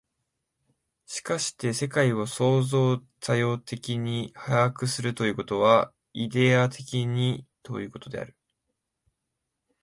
しかして世界を創造作用的に把握するということは、イデヤ的にということである。